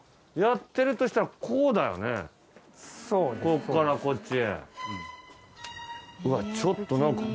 こっからこっちへ。